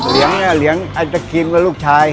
เลี้ยงไอศครีมกับลูกชาย